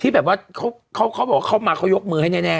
ที่แบบว่าเขาเขาเขามายกมือให้แน่